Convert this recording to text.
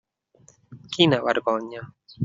Quina vergonya!